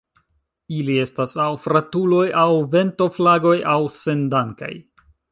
Ili estas aŭ flatuloj, aŭ ventoflagoj, aŭ sendankaj.